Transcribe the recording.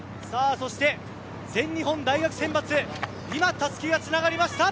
そして全日本大学選抜今たすきがつながりました。